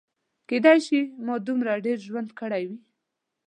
کیدای شي ما دومره ډېر ژوند کړی وي.